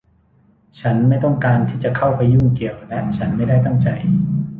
ฉันไม่ต้องการที่จะเข้าไปยุ่งเกี่ยว และฉันไม่ได้ตั้งใจ